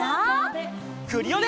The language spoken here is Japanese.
クリオネ！